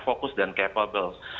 fokus dan capable